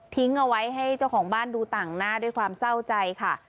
เอาไว้ให้เจ้าของบ้านดูต่างหน้าด้วยความเศร้าใจค่ะ